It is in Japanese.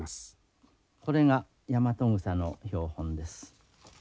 これがヤマトグサの標本です。